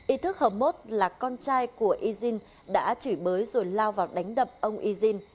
ythức hờ mốt là con trai của yzin đã chỉ bới rồi lao vào đánh đập ông yzin